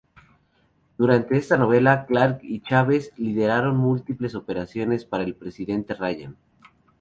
Durante esta novela, Clark y Chavez lideraron múltiples operaciones para el presidente Ryan.